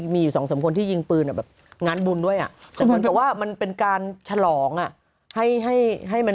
มีอยู่สองสามคนที่ยิงปืนแบบงานบุญด้วยแต่เหมือนกับว่ามันเป็นการฉลองอ่ะให้มัน